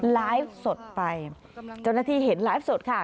ไลฟ์สดไปเจ้าหน้าที่เห็นไลฟ์สดค่ะ